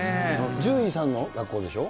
獣医さんの学校でしょ。